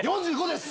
４５です